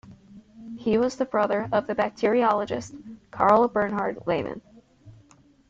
He was the brother of the bacteriologist Karl Bernhard Lehmann.